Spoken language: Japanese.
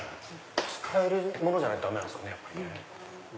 使えるものじゃないとダメなんですかね。